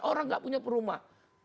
orang gak punya perumahan